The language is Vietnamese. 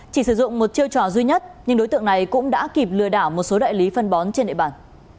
chỉ sử dụng một chiêu trò duy nhất nhưng đối tượng này cũng đã kịp lừa đảo một số đại lý phân bón trên địa bàn